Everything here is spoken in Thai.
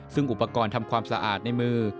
ซึ่งอุปกรณ์ทำความสะอาดในมือ